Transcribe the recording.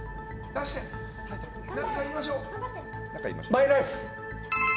「マイライフ」。